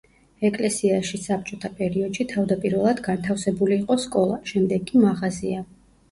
ეკლესიაში საბჭოთა პერიოდში თავდაპირველად განთავსებული იყო სკოლა, შემდეგ კი მაღაზია.